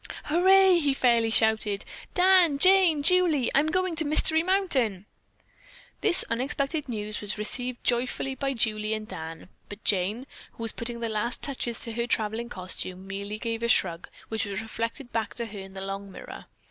"Hurray!" he fairly shouted. "Dan, Jane, Julie, I'm going to Mystery Mountain!" This unexpected news was received joyfully by Julie and Dan, but Jane, who was putting the last touches to her traveling costume, merely gave a shrug, which was reflected back to her in the long mirror.